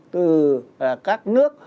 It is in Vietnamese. từ các nước